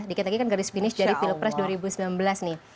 dikit lagi kan garis finish dari pilpres dua ribu sembilan belas nih